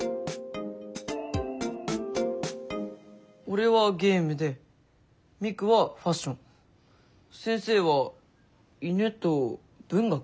俺はゲームでミクはファッション先生は犬と文学。